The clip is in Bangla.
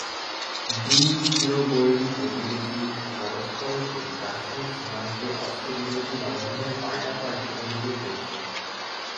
দুই চিরবৈরী প্রতিবেশী পরস্পরের প্রতি কাশ্মীর সীমান্তে অস্ত্রবিরতি লঙ্ঘনের পাল্টাপাল্টি অভিযোগ করছে।